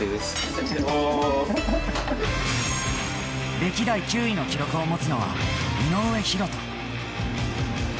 歴代９位の記録を持つのは井上大仁。